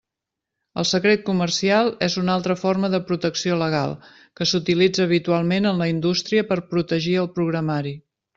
El secret comercial és una altra forma de protecció legal que s'utilitza habitualment en la indústria per protegir el programari.